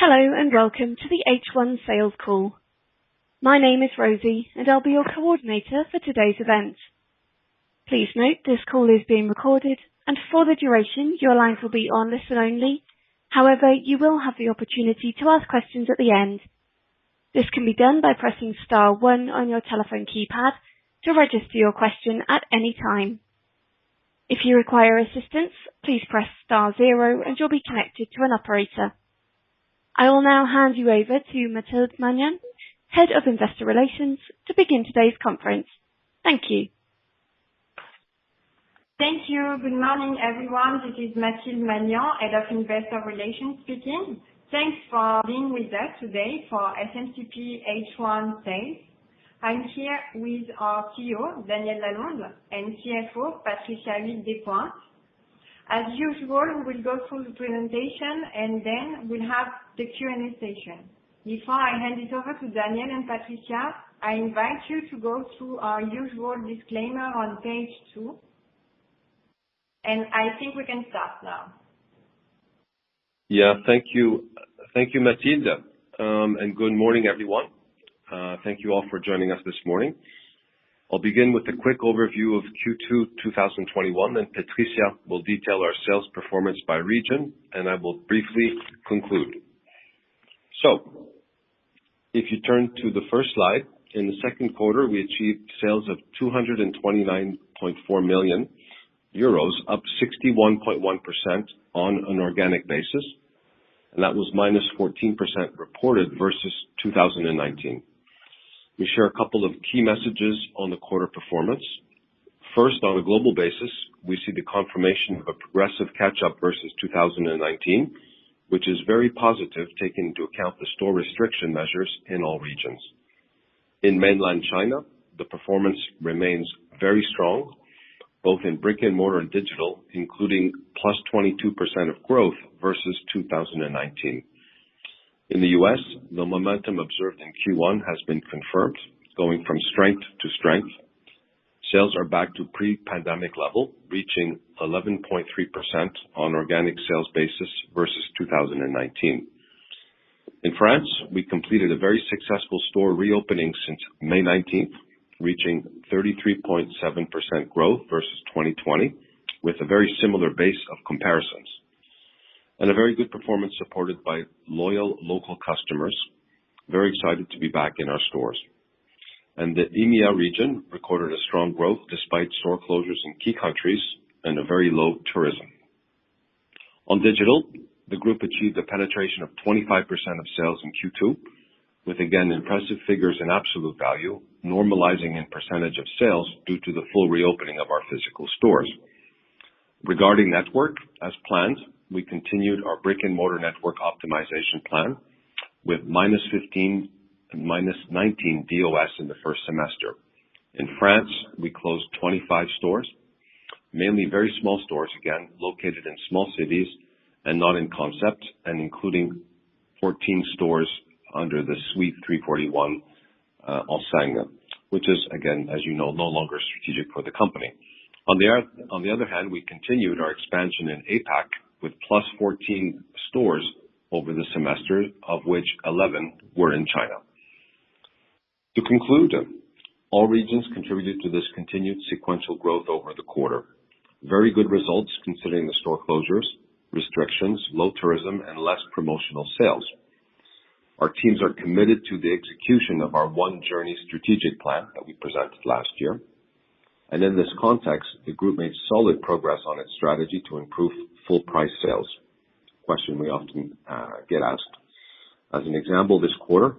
Hello, and welcome to the H1 sales call. My name is Rosie, and I'll be your coordinator for today's event. Please note this call is being recorded, and for the duration, your lines will be on listen-only. However, you will have the opportunity to ask questions at the end. This can be done by pressing star one on your telephone keypad to register your question at any time. If you require assistance, please press star zero and you'll be connected to an operator. I will now hand you over to Mathilde Magnan, Head of Investor Relations, to begin today's conference. Thank you. Thank you. Good morning, everyone. This is Mathilde Magnan, Head of Investor Relations speaking. Thanks for being with us today for SMCP H1 sales. I'm here with our CEO, Daniel Lalonde, and CFO, Patricia Huyghues Despointes. As usual, we'll go through the presentation, and then we'll have the Q&A session. Before I hand it over to Daniel and Patricia, I invite you to go through our usual disclaimer on page two. I think we can start now. Thank you. Thank you, Mathilde, good morning, everyone. Thank you all for joining us this morning. I'll begin with a quick overview of Q2 2021. Patricia will detail our sales performance by region. I will briefly conclude. If you turn to the first slide, in the second quarter, we achieved sales of 229.4 million euros, up 61.1% on an organic basis. That was -14% reported versus 2019. We share a couple of key messages on the quarter performance. First, on a global basis, we see the confirmation of a progressive catch-up versus 2019, which is very positive, taking into account the store restriction measures in all regions. In mainland China, the performance remains very strong, both in brick and mortar and digital, including plus 22% of growth versus 2019. In the U.S., the momentum observed in Q1 has been confirmed, going from strength to strength. Sales are back to pre-pandemic level, reaching 11.3% on organic sales basis versus 2019. In France, we completed a very successful store reopening since May 19th, reaching 33.7% growth versus 2020, with a very similar base of comparisons. A very good performance supported by loyal local customers, very excited to be back in our stores. The EMEA region recorded a strong growth despite store closures in key countries and a very low tourism. On digital, the group achieved a penetration of 25% of sales in Q2 with again, impressive figures in absolute value, normalizing in percentage of sales due to the full reopening of our physical stores. Regarding network, as planned, we continued our brick and mortar network optimization plan with -15 and -19 DOS in the first semester. In France, we closed 25 stores, mainly very small stores, again, located in small cities and not in concept, and including 14 stores under the Suite.341 ensemble, which is, again, as you know, no longer strategic for the company. On the other hand, we continued our expansion in APAC with +14 stores over the semester, of which 11 were in China. To conclude, all regions contributed to this continued sequential growth over the quarter. Very good results considering the store closures, restrictions, low tourism, and less promotional sales. Our teams are committed to the execution of our One Journey strategic plan that we presented last year. In this context, the group made solid progress on its strategy to improve full price sales. A question we often get asked. As an example, this quarter,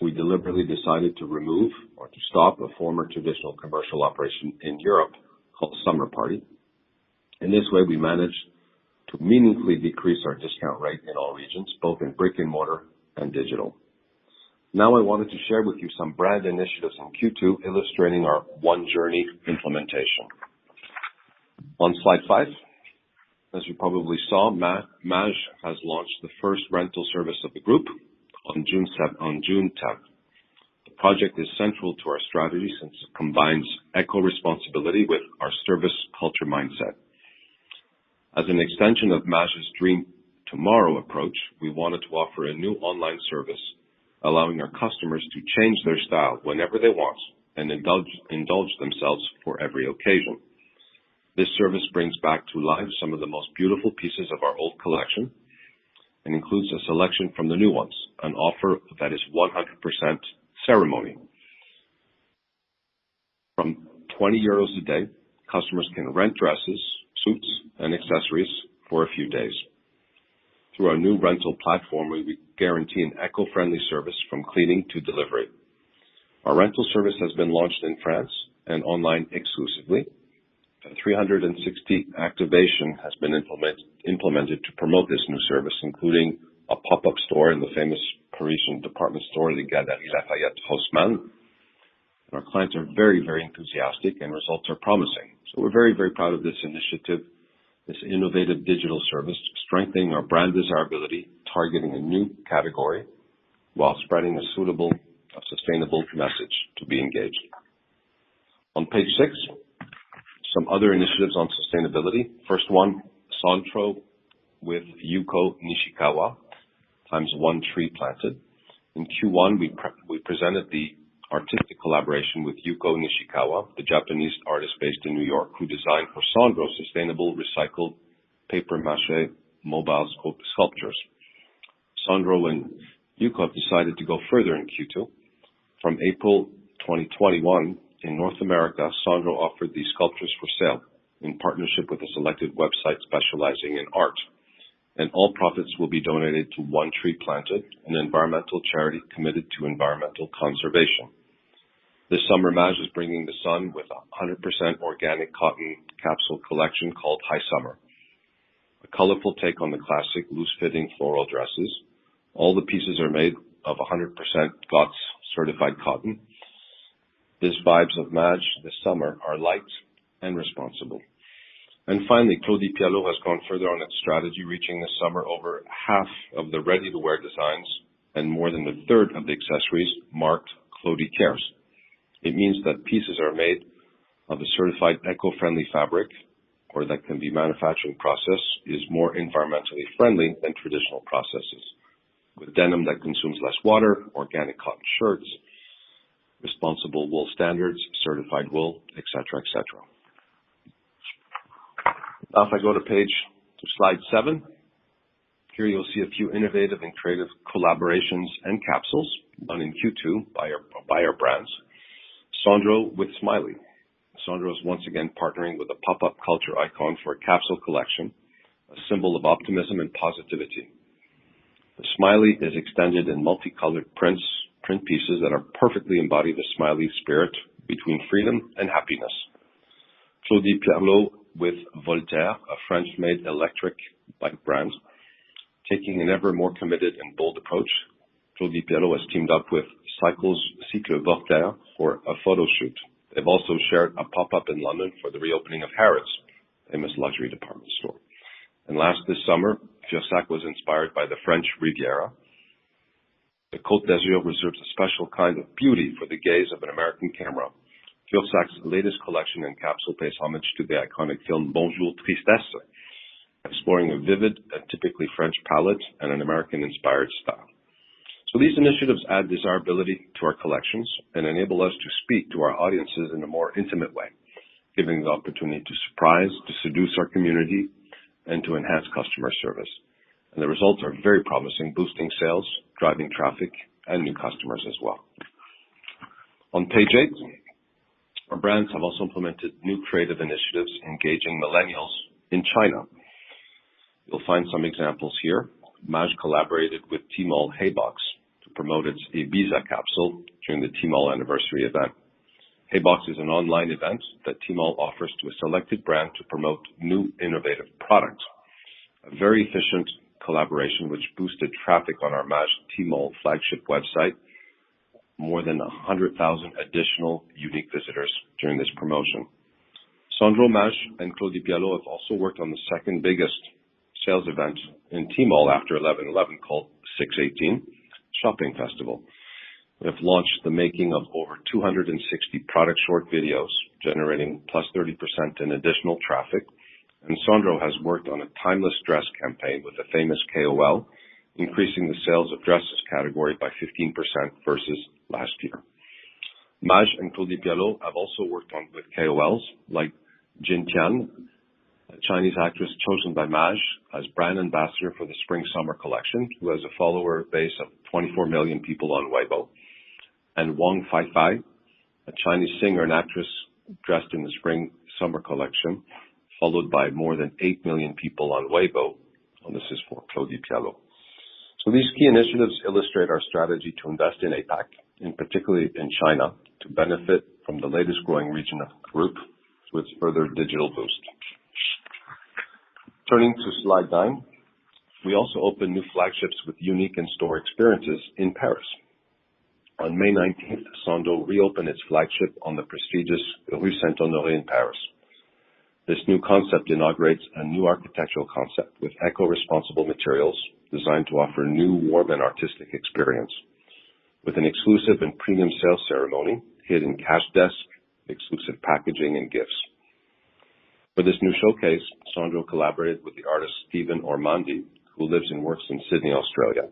we deliberately decided to remove or to stop a former traditional commercial operation in Europe called Summer Party. In this way, we managed to meaningfully decrease our discount rate in all regions, both in brick and mortar and digital. I wanted to share with you some brand initiatives in Q2 illustrating our One Journey implementation. On slide five, as you probably saw, Maje has launched the first rental service of the group on June 7th. The project is central to our strategy since it combines eco-responsibility with our service culture mindset. As an extension of Maje's Dream Tomorrow approach, we wanted to offer a new online service, allowing our customers to change their style whenever they want and indulge themselves for every occasion. This service brings back to life some of the most beautiful pieces of our old collection and includes a selection from the new ones, an offer that is 100% ceremony. From 20 euros a day, customers can rent dresses, suits, and accessories for a few days. Through our new rental platform, we guarantee an eco-friendly service from cleaning to delivery. Our rental service has been launched in France and online exclusively. A 360 activation has been implemented to promote this new service, including a pop-up store in the famous Parisian department store, Les Galeries Lafayette Haussmann. Our clients are very enthusiastic and results are promising. We're very proud of this initiative, this innovative digital service, strengthening our brand desirability, targeting a new category while spreading a suitable, sustainable message to be engaged. On page six, some other initiatives on sustainability. First one, Sandro with Yuko Nishikawa times One Tree Planted. In Q1, we presented the artistic collaboration with Yuko Nishikawa, the Japanese artist based in New York, who designed for Sandro, sustainable recycled paper mache mobiles sculptures. Sandro and Yuko decided to go further in Q2. From April 2021, in North America, Sandro offered these sculptures for sale in partnership with a selected website specializing in art. All profits will be donated to One Tree Planted, an environmental charity committed to environmental conservation. This summer, Maje is bringing the sun with 100% organic cotton capsule collection called High Summer. A colorful take on the classic loose-fitting floral dresses. All the pieces are made of 100% GOTS certified cotton. These vibes of Maje this summer are light and responsible. Finally, Claudie Pierlot has gone further on its strategy, reaching this summer, over half of the ready-to-wear designs, and more than a third of the accessories marked Claudie Cares. It means that pieces are made of a certified eco-friendly fabric, or that can be manufacturing process is more environmentally friendly than traditional processes. With denim that consumes less water, organic cotton shirts, responsible wool standards, certified wool, et cetera. If I go to slide seven. Here you'll see a few innovative and creative collaborations and capsules done in Q2 by our brands. Sandro with Smiley. Sandro is once again partnering with a pop-up culture icon for a capsule collection, a symbol of optimism and positivity. The Smiley is extended in multicolored print pieces that are perfectly embodied with Smiley spirit between freedom and happiness. Claudie Pierlot with Voltaire, a French-made electric bike brand. Taking an ever more committed and bold approach, Claudie Pierlot has teamed up with Cycles Voltaire for a photo shoot. They've also shared a pop-up in London for the reopening of Harrods, the famous luxury department store. Last this summer, Fursac was inspired by the French Riviera. The Côte d'Azur reserves a special kind of beauty for the gaze of an American camera. Fursac's latest collection and capsule pays homage to the iconic film "Bonjour Tristesse," exploring a vivid and typically French palette and an American-inspired style. These initiatives add desirability to our collections and enable us to speak to our audiences in a more intimate way, giving the opportunity to surprise, to seduce our community, and to enhance customer service. The results are very promising, boosting sales, driving traffic, and new customers as well. On page eight. Our brands have also implemented new creative initiatives engaging millennials in China. You'll find some examples here. Maje collaborated with Tmall Hey Box to promote its Ibiza capsule during the Tmall anniversary event. Hey Box is an online event that Tmall offers to a selected brand to promote new innovative products. A very efficient collaboration which boosted traffic on our Maje Tmall flagship website. More than 100,000 additional unique visitors during this promotion. Sandro, Maje, and Claudie Pierlot have also worked on the second biggest sales event in Tmall after 11.11, called 618 Shopping Festival. We have launched the making of over 260 product short videos, generating +30% in additional traffic. Sandro has worked on a timeless dress campaign with a famous KOL, increasing the sales of dresses category by 15% versus last year. Maje and Claudie Pierlot have also worked on with KOLs like Jin Chen, a Chinese actress chosen by Maje as brand ambassador for the spring-summer collection, who has a follower base of 24 million people on Weibo. Wang Feifei, a Chinese singer and actress dressed in the spring-summer collection, followed by more than 8 million people on Weibo, this is for Claudie Pierlot. These key initiatives illustrate our strategy to invest in APAC, particularly in China, to benefit from the latest growing region of the group with further digital boost. Turning to slide nine. We also opened new flagships with unique in-store experiences in Paris. On May 19th, Sandro reopened its flagship on the prestigious Rue Saint-Honoré in Paris. This new concept inaugurates a new architectural concept with eco-responsible materials designed to offer a new, warm, and artistic experience. With an exclusive and premium sales ceremony, hidden cash desk, exclusive packaging, and gifts. For this new showcase, Sandro collaborated with the artist Stephen Ormandy, who lives and works in Sydney, Australia.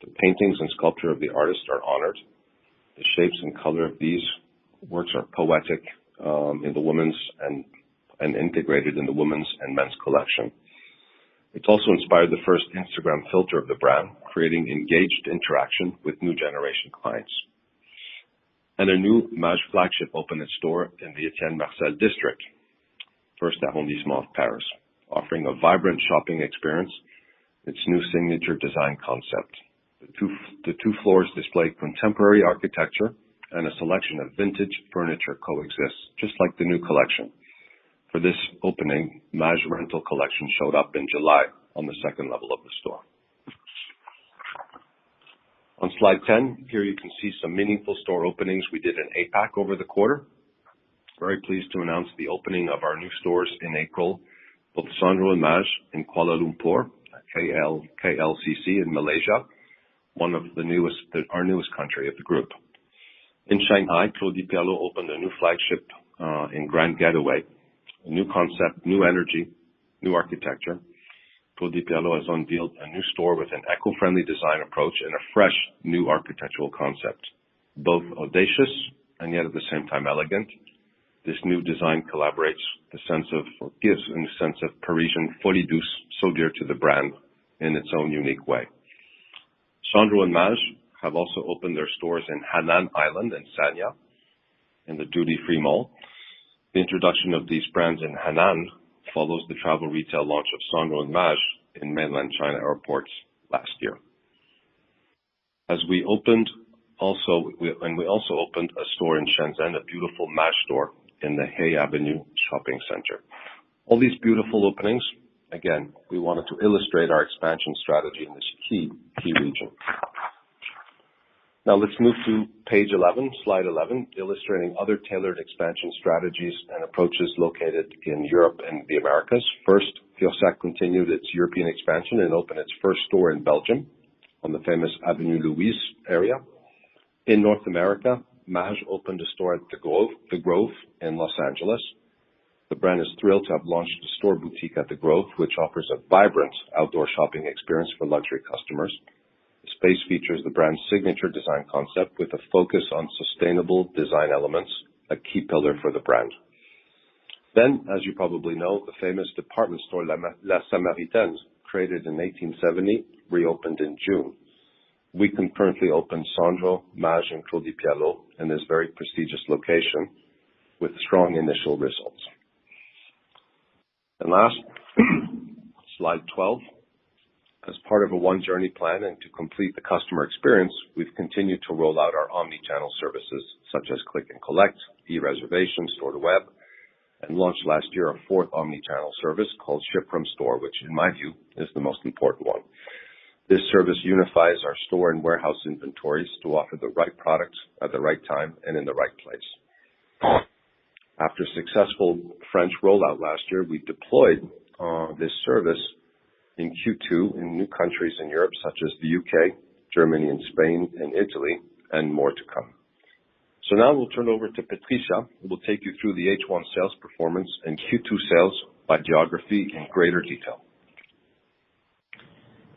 The paintings and sculpture of the artist are honored. The shapes and color of these works are poetic, and integrated in the women's and men's collection. It's also inspired the first Instagram filter of the brand, creating engaged interaction with new generation clients. A new Maje flagship opened its door in the Étienne Marcel district, First arrondissement of Paris, offering a vibrant shopping experience, its new signature design concept. The two floors display contemporary architecture and a selection of vintage furniture coexist, just like the new collection. For this opening, Maje's rental collection showed up in July on the second level of the store. On slide 10, here you can see some meaningful store openings we did in APAC over the quarter. Very pleased to announce the opening of our new stores in April, both Sandro and Maje in Kuala Lumpur at KLCC in Malaysia. One of our newest country of the group. In Shanghai, Claudie Pierlot opened a new flagship in Grand Gateway. A new concept, new energy, new architecture. Claudie Pierlot has unveiled a new store with an eco-friendly design approach and a fresh new architectural concept, both audacious and yet at the same time elegant. This new design collaborates the sense of, or gives a new sense of Parisian folie douce so dear to the brand in its own unique way. Sandro and Maje have also opened their stores in Hainan Island, in Sanya, in the duty-free mall. The introduction of these brands in Hainan follows the travel retail launch of Sandro and Maje in mainland China airports last year. We also opened a store in Shenzhen, a beautiful Maje store in the Heyi Avenue Shopping Center. All these beautiful openings, again, we wanted to illustrate our expansion strategy in this key region. Now let's move to page 11, slide 11, illustrating other tailored expansion strategies and approaches located in Europe and the Americas. First, Claudie Pierlot continued its European expansion and opened its first store in Belgium on the famous Avenue Louise area. In North America, Maje opened a store at The Grove in Los Angeles. The brand is thrilled to have launched a store boutique at The Grove, which offers a vibrant outdoor shopping experience for luxury customers. As you probably know, the famous department store, La Samaritaine, created in 1870, reopened in June. We concurrently opened Sandro, Maje, and Claudie Pierlot in this very prestigious location with strong initial results. Last, slide 12. As part of a One Journey plan and to complete the customer experience, we've continued to roll out our omni-channel services, such as Click and Collect, e-reservation, store-to-web, and launched last year a fourth omni-channel service called Ship From Store, which in my view, is the most important one. This service unifies our store and warehouse inventories to offer the right products at the right time and in the right place. After a successful French rollout last year, we deployed this service in Q2 in new countries in Europe, such as the U.K., Germany and Spain, and Italy, and more to come. Now we'll turn over to Patricia, who will take you through the H1 sales performance and Q2 sales by geography in greater detail.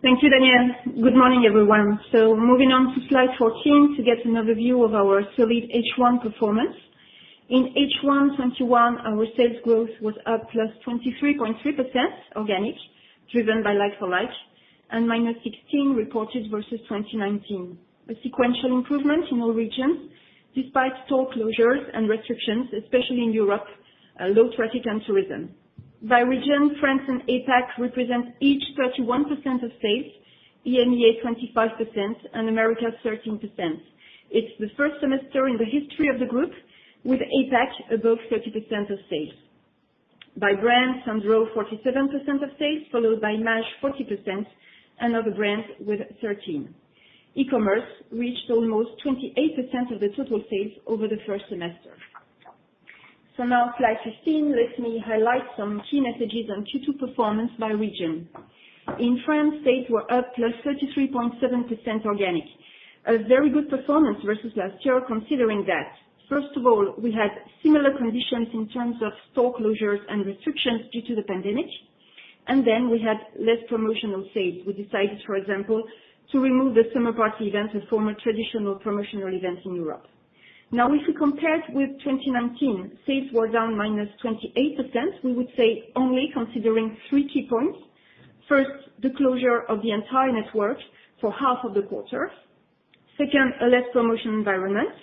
Thank you, Daniel. Good morning, everyone. Moving on to slide 14 to get an overview of our solid H1 performance. In H1 2021, our sales growth was up +23.3% organic, driven by like-for-like, and -16% reported versus 2019. A sequential improvement in all regions despite store closures and restrictions, especially in Europe, low traffic and tourism. By region, France and APAC represent each 31% of sales, EMEA 25%, and Americas 13%. It's the first semester in the history of the group with APAC above 30% of sales. By brands, Sandro 47% of sales, followed by Maje 40%, and other brands with 13%. E-commerce reached almost 28% of the total sales over the first semester. Now slide 15, let me highlight some key messages on Q2 performance by region. In France, sales were up +33.7% organic. A very good performance versus last year, considering that, first of all, we had similar conditions in terms of store closures and restrictions due to the pandemic, and then we had less promotional sales. We decided, for example, to remove the Summer Party event, a former traditional promotional event in Europe. Now, if we compare with 2019, sales were down -28%. We would say only considering 3 key points. First, the closure of the entire network for half of the quarter. Second, a less promotion environment,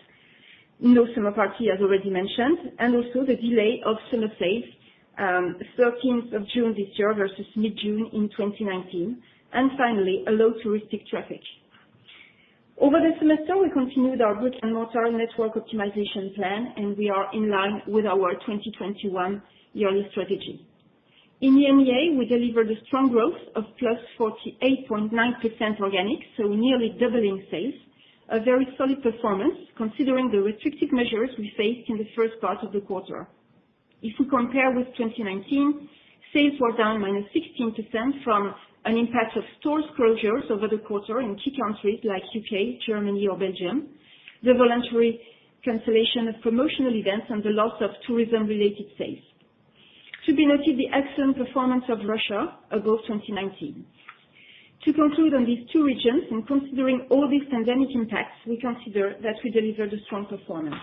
no Summer Party as already mentioned, and also the delay of summer sales, 13th of June this year versus mid-June in 2019. Finally, a low touristic traffic. Over the semester, we continued our brick-and-mortar network optimization plan, and we are in line with our 2021 yearly strategy. In EMEA, we delivered a strong growth of +48.9% organic, so nearly doubling sales. A very solid performance considering the restrictive measures we faced in the first part of the quarter. If we compare with 2019, sales were down -16% from an impact of stores closures over the quarter in key countries like U.K., Germany, or Belgium, the voluntary cancellation of promotional events, and the loss of tourism-related sales. To be noted, the excellent performance of Russia above 2019. To conclude on these two regions and considering all these pandemic impacts, we consider that we delivered a strong performance.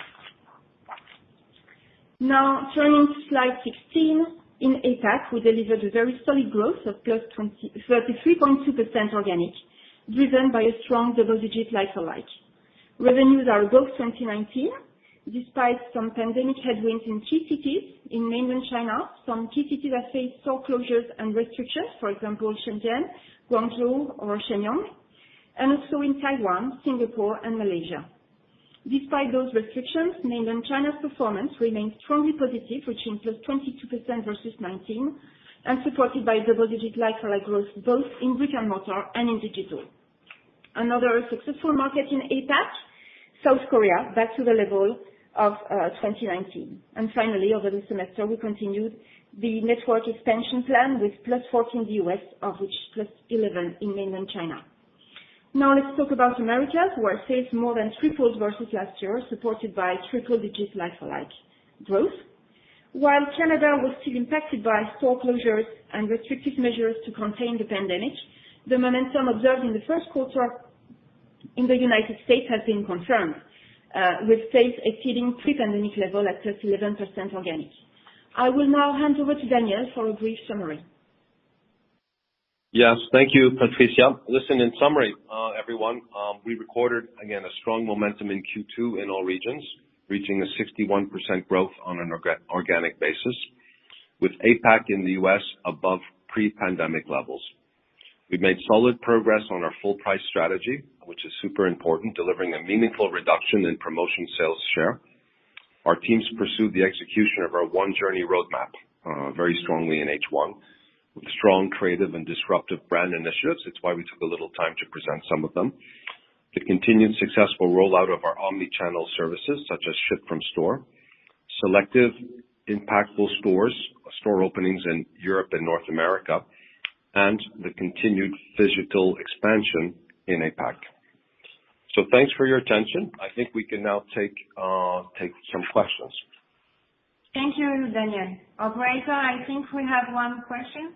Now turning to slide 16. In APAC, we delivered a very solid growth of plus 33.2% organic, driven by a strong double-digit like-for-like. Revenues are above 2019 despite some pandemic headwinds in key cities in Mainland China, some key cities that face store closures and restrictions. For example, Shenzhen, Guangzhou or Shenyang, and also in Taiwan, Singapore, and Malaysia. Despite those restrictions, Mainland China's performance remains strongly positive, which is +22% versus 2019, supported by double-digit like-for-like growth both in brick-and-mortar and in digital. Another successful market in APAC South Korea back to the level of 2019. Finally, over the semester, we continued the network expansion plan with +14 in the U.S., of which +11 in Mainland China. Let's talk about Americas, where sales more than tripled versus last year, supported by triple digits like-for-like growth. While Canada was still impacted by store closures and restrictive measures to contain the pandemic, the momentum observed in the first quarter in the United States has been confirmed, with sales exceeding pre-pandemic level at +11% organic. I will now hand over to Daniel for a brief summary. Thank you, Patricia. In summary, everyone, we recorded, again, a strong momentum in Q2 in all regions, reaching a 61% growth on an organic basis, with APAC in the U.S. above pre-pandemic levels. We've made solid progress on our full price strategy, which is super important, delivering a meaningful reduction in promotion sales share. Our teams pursued the execution of our One Journey roadmap, very strongly in H1 with strong creative and disruptive brand initiatives. It's why we took a little time to present some of them. The continued successful rollout of our omni-channel services, such as ship from store, selective impactful stores, store openings in Europe and North America, and the continued physical expansion in APAC. Thanks for your attention. I think we can now take some questions. Thank you, Daniel. Operator, I think we have one question.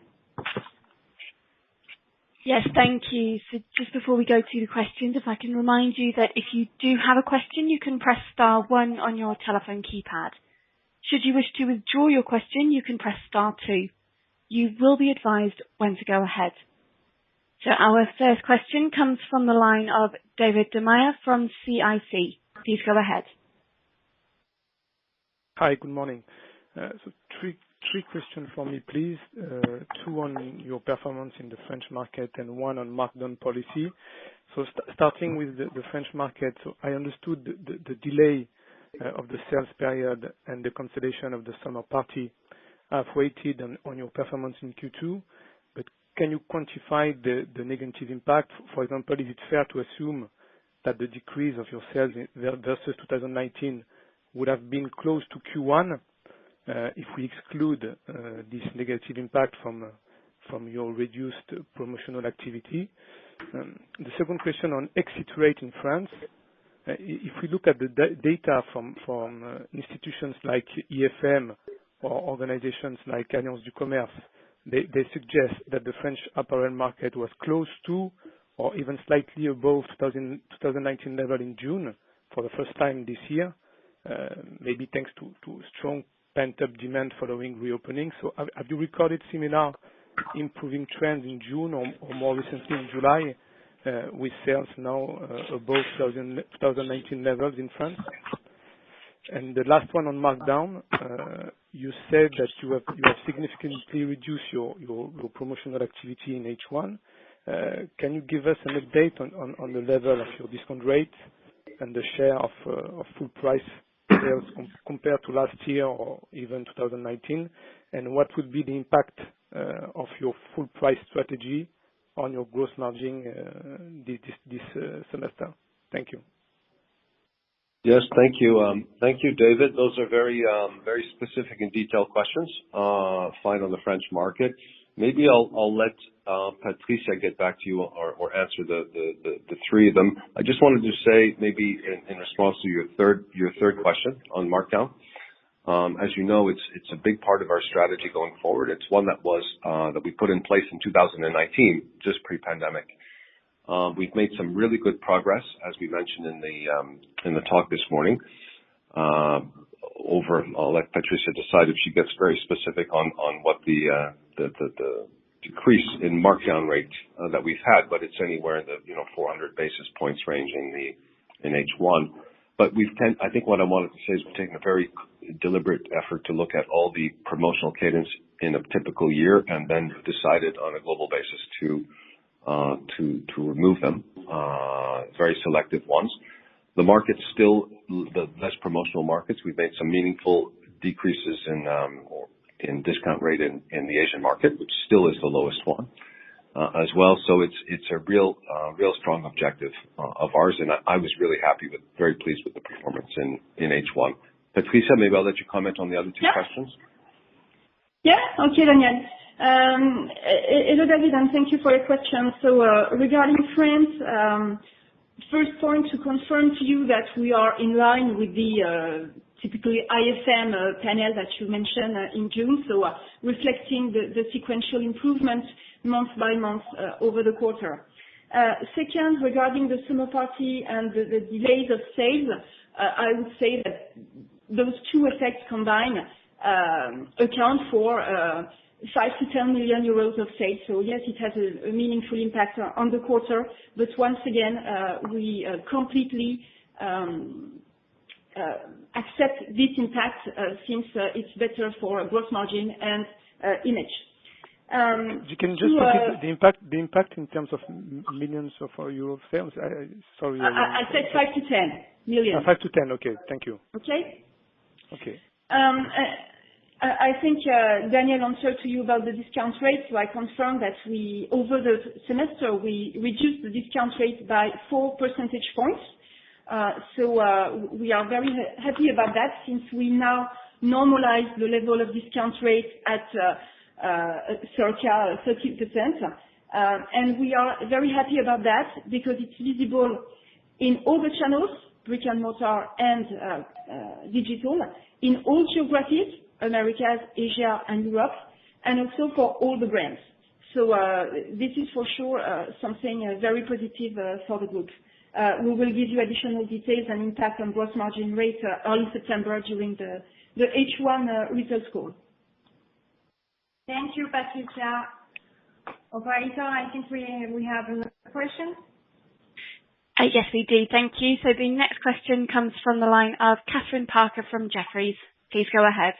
Yes. Thank you. Just before we go to the questions, if I can remind you that if you do have a question, you can press star one on your telephone keypad. Should you wish to withdraw your question, you can press star two. You will be advised when to go ahead. Our first question comes from the line of David Da Maia from CIC. Please go ahead. Hi. Good morning. Three question from me, please. Two on your performance in the French market and one on markdown policy. Starting with the French market. I understood the delay of the sales period and the consolidation of the Summer Party have waited on your performance in Q2. Can you quantify the negative impact? For example, is it fair to assume that the decrease of your sales versus 2019 would have been close to Q1, if we exclude this negative impact from your reduced promotional activity? The second question on exit rate in France. If we look at the data from institutions like IFM or organizations like Union du Grand Commerce, they suggest that the French apparel market was close to or even slightly above 2019 level in June for the first time this year. Maybe thanks to strong pent-up demand following reopening. Have you recorded similar improving trends in June or more recently in July, with sales now above 2019 levels in France? The last one on markdown. You said that you have significantly reduced your promotional activity in H1. Can you give us an update on the level of your discount rate and the share of full price sales compared to last year or even 2019? What would be the impact of your full price strategy on your gross margin this semester? Thank you. Yes. Thank you. Thank you, David. Those are very specific and detailed questions. Fine on the French market. Maybe I'll let Patricia get back to you or answer the three of them. I just wanted to say maybe in response to your third question on markdown. As you know, it's a big part of our strategy going forward. It's one that we put in place in 2019, just pre-pandemic. We've made some really good progress, as we mentioned in the talk this morning. I'll let Patricia decide if she gets very specific on what the decrease in markdown rate that we've had, but it's anywhere in the 400 basis points range in H1. I think what I wanted to say is we're taking a very deliberate effort to look at all the promotional cadence in a typical year, and then decided on a global basis to remove them, very selective ones. The less promotional markets, we've made some meaningful decreases in discount rate in the Asian market, which still is the lowest one as well. It's a real strong objective of ours, and I was really happy with, very pleased with the performance in H1. Patricia, maybe I'll let you comment on the other two questions. Yeah. Okay, Daniel. Hello, David, and thank you for your question. Regarding France, first point to confirm to you that we are in line with the typically ISM panel that you mentioned in June. Reflecting the sequential improvement month by month over the quarter. Second, regarding the Summer Party and the delays of sale, I would say that those two effects combined account for 5 million-10 million euros of sales. Yes, it has a meaningful impact on the quarter. Once again, we completely accept this impact since it's better for gross margin and image. You can just repeat the impact in terms of millions of your sales? Sorry. I said 5 million-10 million. Five to 10. Okay. Thank you. Okay. Okay. I think Daniel answered to you about the discount rates. I confirm that over the semester, we reduced the discount rates by 4 percentage points. We are very happy about that since we now normalize the level of discount rates at 30%. We are very happy about that because it's visible in all the channels, brick-and-mortar and digital, in all geographies, Americas, Asia and Europe, and also for all the brands. This is for sure something very positive for the group. We will give you additional details and impact on gross margin rates on September during the H1 results call. Thank you, Patricia. Operator, I think we have another question. Yes, we do. Thank you. The next question comes from the line of Kathryn Parker from Jefferies. Please go ahead.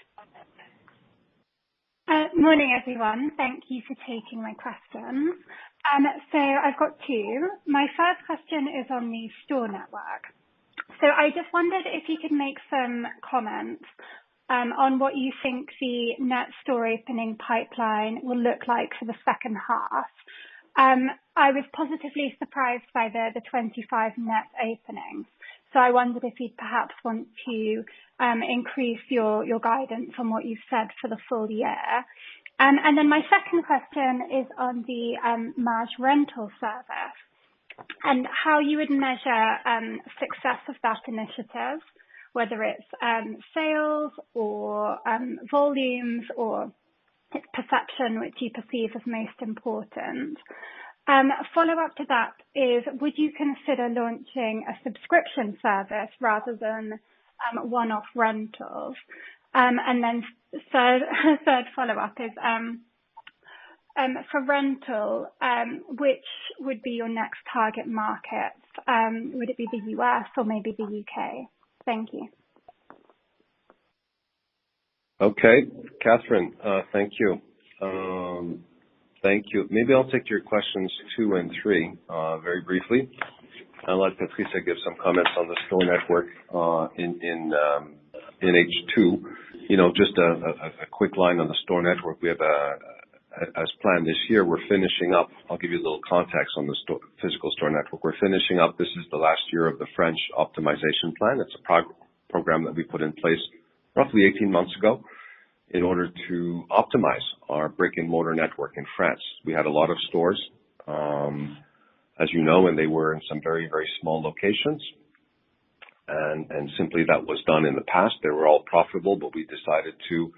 Morning, everyone. Thank you for taking my question. I've got two. My first question is on the store network. I just wondered if you could make some comments on what you think the net store opening pipeline will look like for the second half. I was positively surprised by the 25 net openings. I wondered if you'd perhaps want to increase your guidance from what you've said for the full year. My second question is on the Maje rental service and how you would measure success of that initiative, whether it's sales or volumes or perception which you perceive as most important. A follow-up to that is, would you consider launching a subscription service rather than one-off rentals? Third follow-up is, for rental, which would be your next target market? Would it be the U.S. or maybe the U.K.? Thank you. Okay, Kathryn. Thank you. Maybe I'll take your questions two and three, very briefly. I'll let Patricia give some comments on the store network in H2. Just a quick line on the store network. As planned this year, we're finishing up. I'll give you a little context on the physical store network. We're finishing up. This is the last year of the French optimization plan. It's a program that we put in place roughly 18 months ago in order to optimize our brick-and-mortar network in France. We had a lot of stores, as you know, and they were in some very small locations. Simply that was done in the past. They were all profitable. We decided to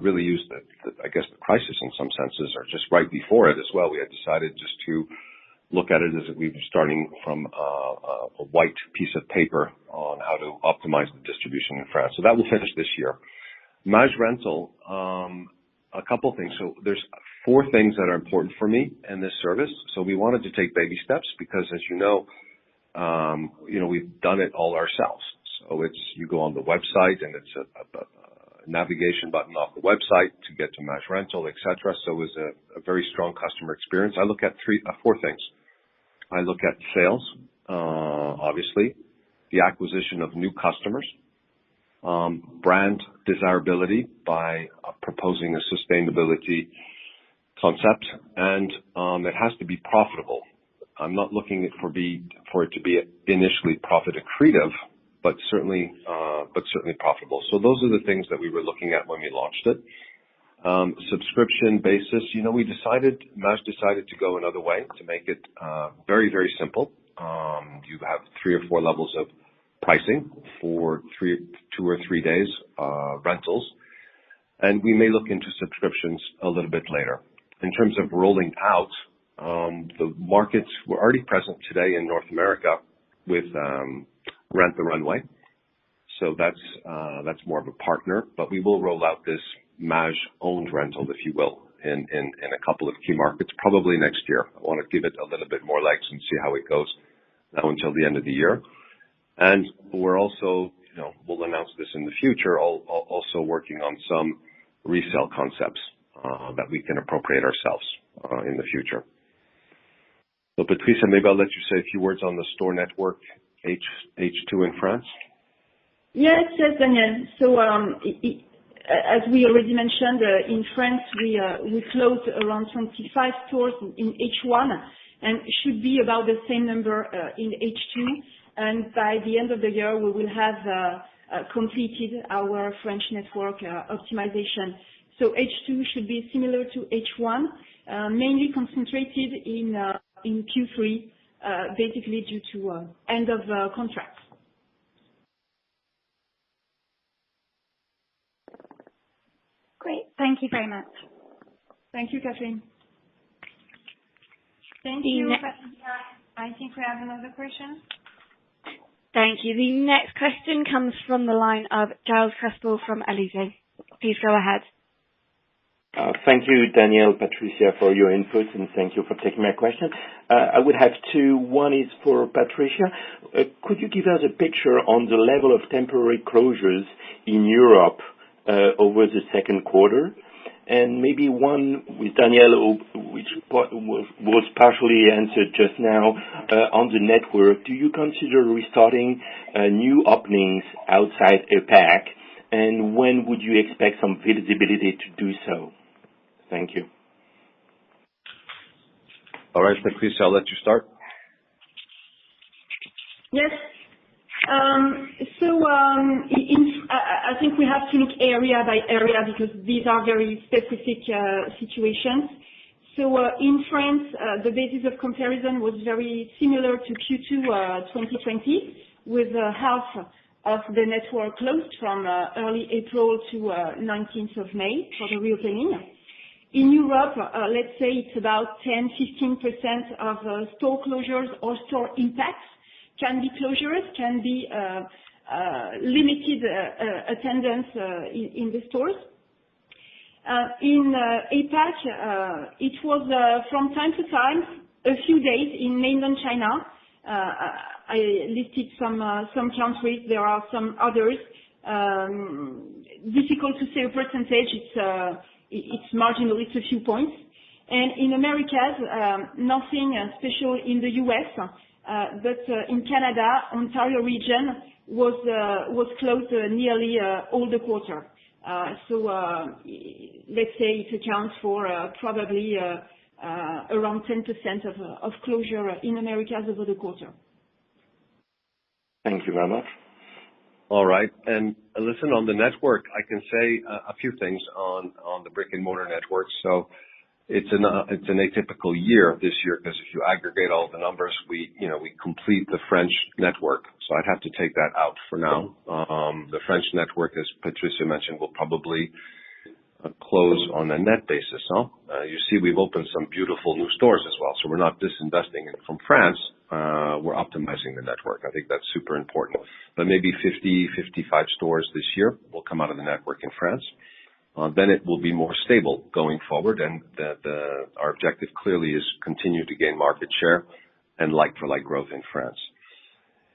really use the, I guess, the crisis in some senses or just right before it as well. We had decided just to look at it as if we were starting from a white piece of paper on how to optimize the distribution in France. That will finish this year. Maje rental, a couple things. There's four things that are important for me in this service. We wanted to take baby steps because as you know, we've done it all ourselves. You go on the website, and it's a navigation button off the website to get to Maje rental, et cetera. It's a very strong customer experience. I look at four things. I look at sales, obviously, the acquisition of new customers, brand desirability by proposing a sustainability concept, and it has to be profitable. I'm not looking for it to be initially profit accretive, but certainly profitable. Those are the things that we were looking at when we launched it. Subscription basis. Maje decided to go another way to make it very simple. You have three or four levels of pricing for two or three days rentals. We may look into subscriptions a little bit later. In terms of rolling out, the markets were already present today in North America with Rent the Runway. That's more of a partner. We will roll out this Maje-owned rental, if you will, in a couple of key markets probably next year. I want to give it a little bit more legs and see how it goes now until the end of the year. We're also, we'll announce this in the future, also working on some resale concepts that we can appropriate ourselves in the future. Patricia, maybe I'll let you say a few words on the store network H2 in France. Yes, Daniel. As we already mentioned, in France, we closed around 25 stores in H1 and should be about the same number in H2. By the end of the year, we will have completed our French network optimization. H2 should be similar to H1, mainly concentrated in Q3, basically due to end of contracts. Great. Thank you very much. Thank you, Kathryn. Thank you, Patricia. I think we have another question. Thank you. The next question comes from the line of [Gilles Crestel from Elize]. Please go ahead. Thank you, Daniel, Patricia, for your input, and thank you for taking my question. I would have two. One is for Patricia. Could you give us a picture on the level of temporary closures in Europe over the second quarter. Maybe one with Daniel, which was partially answered just now. On the network, do you consider restarting new openings outside APAC, and when would you expect some visibility to do so? Thank you. All right, Patricia, I'll let you start. Yes. I think we have to look area by area because these are very specific situations. In France, the basis of comparison was very similar to Q2 2020, with half of the network closed from early April to 19th of May for the reopening. In Europe, let's say it's about 10%-15% of store closures or store impacts. Can be closures, can be limited attendance in the stores. In APAC, it was from time to time, a few days in Mainland China. I listed some countries, there are some others. Difficult to say a percentage. It's marginal. It's a few points. In Americas, nothing special in the U.S., but in Canada, Ontario region was closed nearly all the quarter. Let's say it accounts for probably around 10% of closure in Americas over the quarter. Thank you very much. All right. Listen, on the network, I can say a few things on the brick-and-mortar network. It's an atypical year this year because if you aggregate all the numbers, we complete the French network. I'd have to take that out for now. The French network, as Patricia mentioned, will probably close on a net basis. You see we've opened some beautiful new stores as well. We're not disinvesting from France. We're optimizing the network. I think that's super important. Maybe 50, 55 stores this year will come out of the network in France. It will be more stable going forward. Our objective clearly is continue to gain market share and like-for-like growth in France.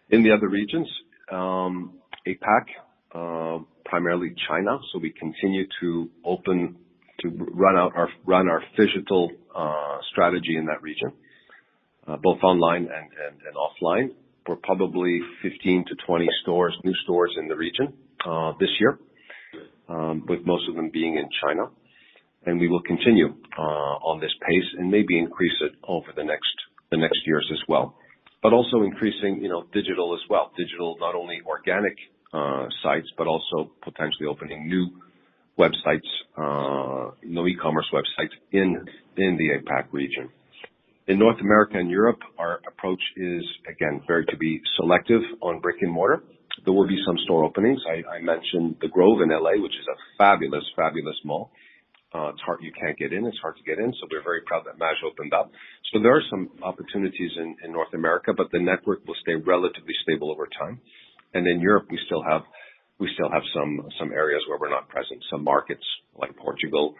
In the other regions, APAC, primarily China. We continue to run our phygital strategy in that region, both online and offline, for probably 15-20 new stores in the region this year, with most of them being in China. We will continue on this pace and maybe increase it over the next years as well. Also increasing digital as well. Digital, not only organic sites, but also potentially opening new e-commerce websites in the APAC region. In North America and Europe, our approach is, again, very to be selective on brick-and-mortar. There will be some store openings. I mentioned The Grove in L.A., which is a fabulous mall. You can't get in, it's hard to get in. We're very proud that Maje opened up. There are some opportunities in North America, but the network will stay relatively stable over time. In Europe, we still have some areas where we're not present. Some markets like Portugal,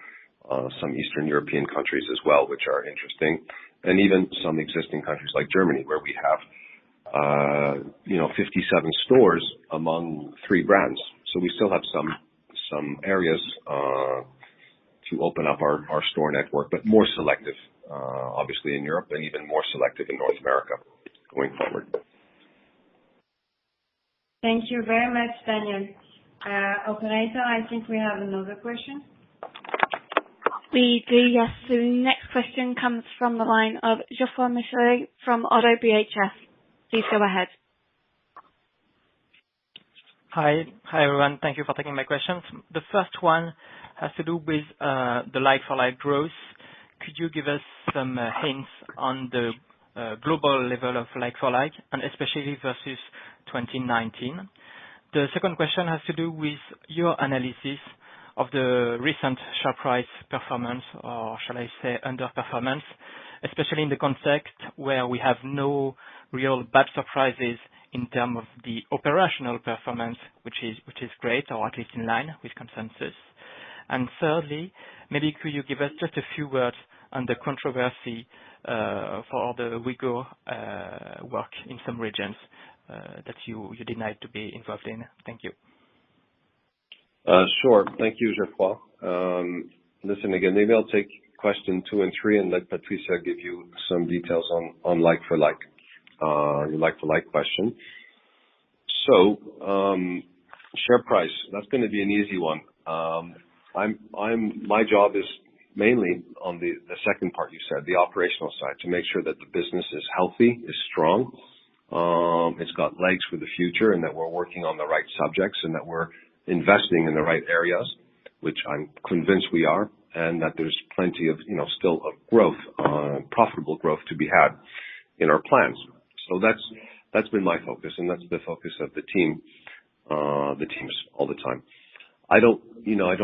some Eastern European countries as well, which are interesting. Even some existing countries like Germany, where we have 57 stores among three brands. We still have some areas to open up our store network, but more selective, obviously in Europe and even more selective in North America going forward. Thank you very much, Daniel. Operator, I think we have another question. We do, yes. The next question comes from the line of Geoffroy Michelet from Oddo BHF. Please go ahead. Hi, everyone. Thank you for taking my questions. The first one has to do with the like-for-like growth. Could you give us some hints on the global level of like-for-like, especially versus 2019? The second question has to do with your analysis of the recent share price performance, or shall I say underperformance, especially in the context where we have no real bad surprises in terms of the operational performance, which is great, or at least in line with consensus. Thirdly, maybe could you give us just a few words on the controversy for all the Uyghur work in some regions that you denied to be involved in. Thank you. Thank you, Geoffroy. Listen, again, maybe I'll take question two and three and let Patricia give you some details on like-for-like question. Share price, that's going to be an easy one. My job is mainly on the second part you said, the operational side. To make sure that the business is healthy, is strong, it's got legs for the future, and that we're working on the right subjects, and that we're investing in the right areas, which I'm convinced we are, and that there's plenty still of profitable growth to be had in our plans. That's been my focus and that's the focus of the teams all the time. I don't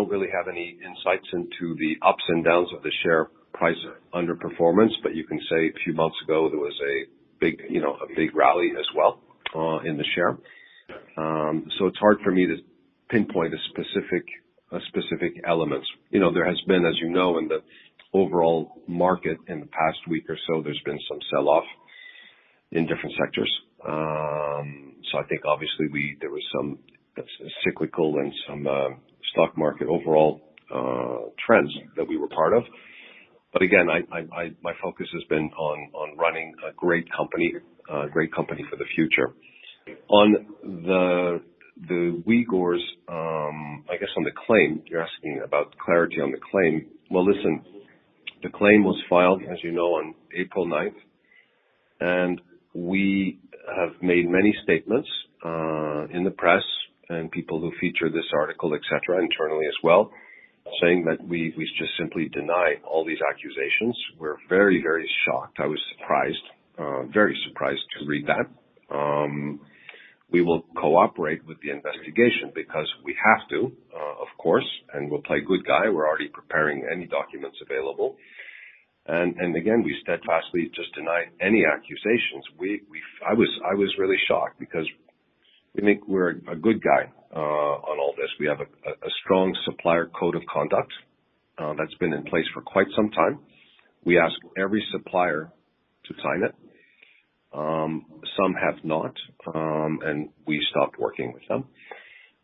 really have any insights into the ups and downs of the share price underperformance, you can say a few months ago, there was a big rally as well in the share. It's hard for me to pinpoint a specific element. There has been, as you know, in the overall market in the past week or so, there's been some sell-off. In different sectors. I think obviously, there was some cyclical and some stock market overall trends that we were part of. Again, my focus has been on running a great company for the future. On the Uyghurs, I guess on the claim, you're asking about clarity on the claim. Well, listen, the claim was filed, as you know, on April 9th, and we have made many statements in the press and people who feature this article, etcetera, internally as well, saying that we just simply deny all these accusations. We're very shocked. I was surprised, very surprised to read that. We will cooperate with the investigation because we have to, of course, and we'll play good guy. We're already preparing any documents available. We steadfastly just deny any accusations. I was really shocked because we think we're a good guy on all this. We have a strong supplier code of conduct that's been in place for quite some time. We ask every supplier to sign it. Some have not, and we stopped working with them.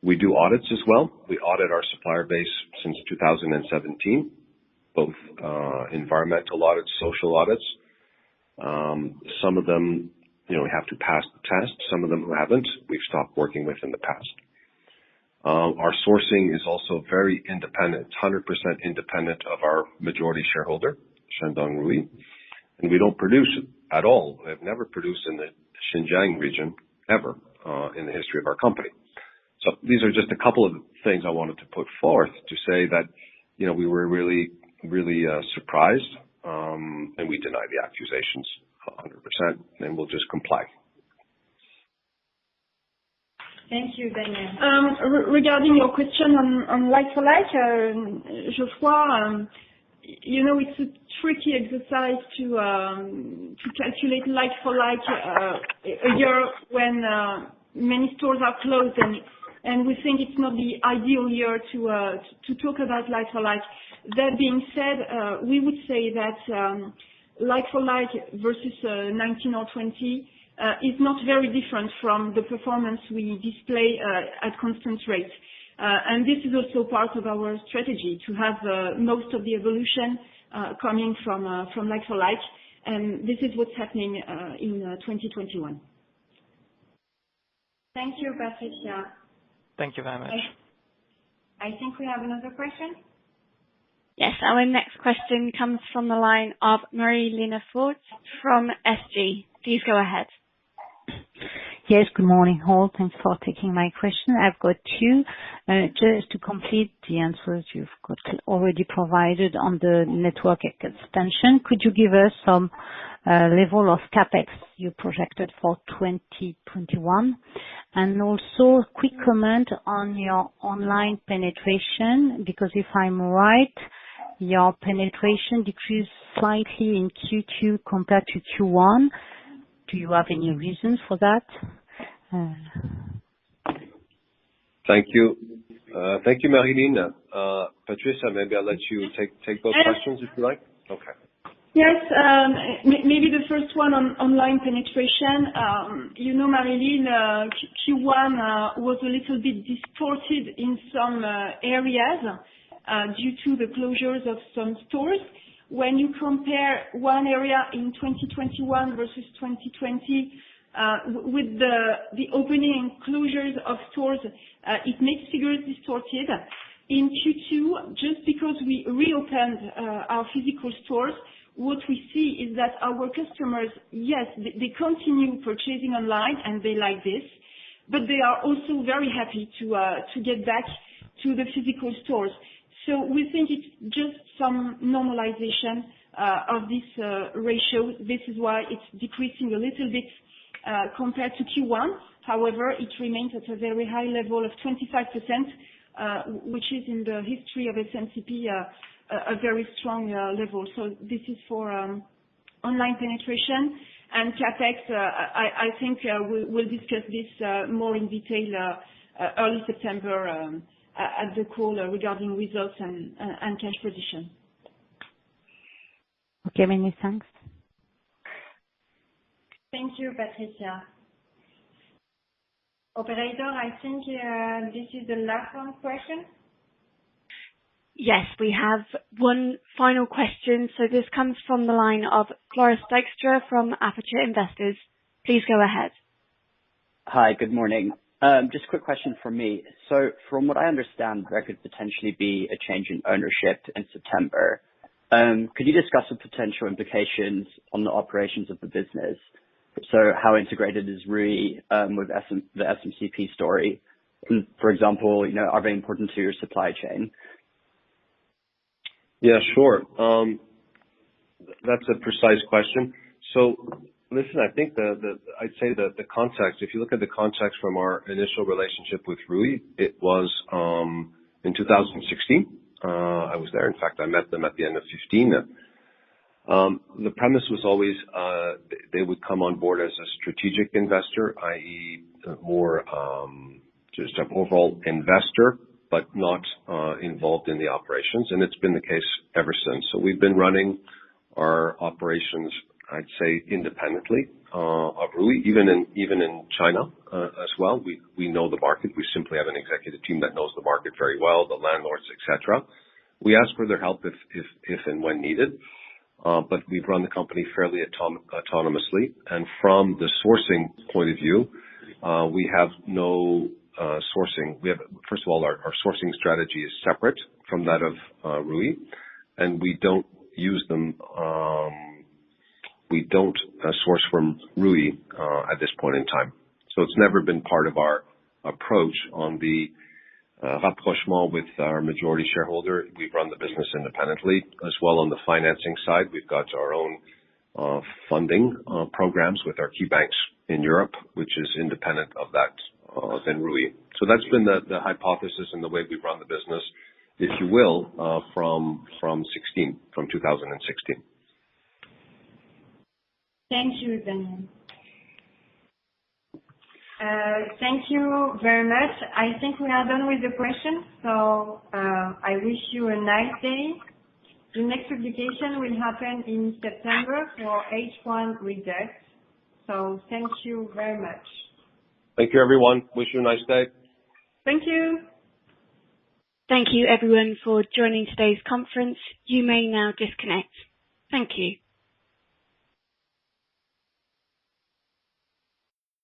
We do audits as well. We audit our supplier base since 2017, both environmental audits, social audits. Some of them have to pass the test. Some of them who haven't, we've stopped working with in the past. Our sourcing is also very independent. It's 100% independent of our majority shareholder, Shandong Ruyi. We don't produce at all. We have never produced in the Xinjiang region ever, in the history of our company. These are just a couple of things I wanted to put forth to say that we were really surprised, and we deny the accusations 100%. We'll just comply. Thank you, Daniel. Regarding your question on like-for-like, Geoffroy, it's a tricky exercise to calculate like-for-like one year when many stores are closed. We think it's not the ideal year to talk about like-for-like. That being said, we would say that like-for-like versus 2019 or 2020 is not very different from the performance we display at constant rates. This is also part of our strategy, to have most of the evolution coming from like-for-like. This is what's happening in 2021. Thank you, Patricia. Thank you very much. I think we have another question. Yes. Our next question comes from the line of Marie-Line Fort from SG. Please go ahead. Yes. Good morning, all. Thanks for taking my question. I've got two. Just to complete the answers you've already provided on the network extension, could you give us some level of CapEx you projected for 2021? Also, a quick comment on your online penetration, because if I'm right, your penetration decreased slightly in Q2 compared to Q1. Do you have any reasons for that? Thank you. Thank you, Marie-Line. Patricia, maybe I'll let you take both questions if you like. Okay. Yes. Maybe the first one on online penetration. You know, Marie-Line, Q1 was a little bit distorted in some areas due to the closures of some stores. When you compare one area in 2021 versus 2020 with the opening and closures of stores, it makes figures distorted. In Q2, just because we reopened our physical stores, what we see is that our customers, yes, they continue purchasing online, and they like this, but they are also very happy to get back to the physical stores. We think it's just some normalization of this ratio. This is why it's decreasing a little bit compared to Q1. However, it remains at a very high level of 25%, which is in the history of SMCP, a very strong level. This is for online penetration. CapEx, I think we'll discuss this more in detail early September at the call regarding results and cash position. Okay, many thanks. Thank you, Patricia. Operator, I think this is the last one question. Yes, we have one final question. This comes from the line of Floris Dijkstra from Aperture Investors. Please go ahead. Hi. Good morning. Just a quick question from me. From what I understand, there could potentially be a change in ownership in September. Could you discuss the potential implications on the operations of the business? How integrated is Ruyi with the SMCP story? For example, are they important to your supply chain? Yeah, sure. That's a precise question. Listen, I think I'd say that the context, if you look at the context from our initial relationship with Ruyi, it was in 2016. I was there. In fact, I met them at the end of 2015. The premise was always, they would come on board as a strategic investor, i.e., more just an overall investor, but not involved in the operations, and it's been the case ever since. We've been running our operations, I'd say, independently of Ruyi, even in China as well. We know the market. We simply have an executive team that knows the market very well, the landlords, et cetera. We ask for their help if and when needed. We've run the company fairly autonomously. From the sourcing point of view, first of all, our sourcing strategy is separate from that of Ruyi, and we don't source from Ruyi at this point in time. It's never been part of our approach on the rapprochement with our majority shareholder. We've run the business independently. As well on the financing side, we've got our own funding programs with our key banks in Europe, which is independent of that, of Ruyi. That's been the hypothesis and the way we've run the business, if you will, from 2016. Thank you, Daniel. Thank you very much. I think we are done with the questions. I wish you a nice day. The next communication will happen in September for H1 results. Thank you very much. Thank you, everyone. Wish you a nice day. Thank you. Thank you everyone for joining today's conference. You may now disconnect. Thank you.